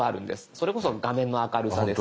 それこそ画面の明るさですとか。